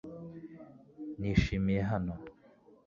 Nishimiye hano